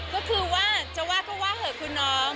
ก็คือว่าจะว่าก็ว่าเถอะคุณน้อง